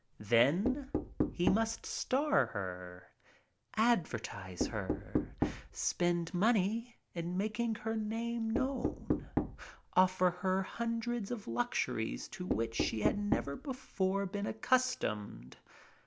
Then he must star her, advertise . A BATTLE ROYAL 55 her, spend money in making her name known, offer her hundreds of luxuries to which she had never before been accustomed.